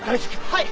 はい！